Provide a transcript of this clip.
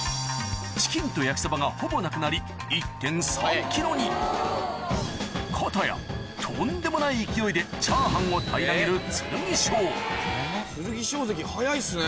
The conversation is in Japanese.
チキンと焼きそばがほぼなくなり片やとんでもない勢いでチャーハンを平らげる剣翔関早いですね。